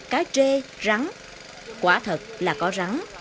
chê rắn quả thật là có rắn